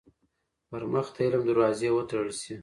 پـر مـخ د عـلم دروازې وتـړل شي.